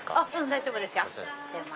大丈夫ですよ。